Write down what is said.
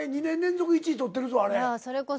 ２年連続１位取ってるぞあれ。